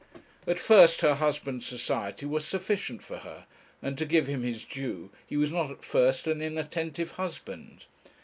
At first her husband's society was sufficient for her; and to give him his due, he was not at first an inattentive husband.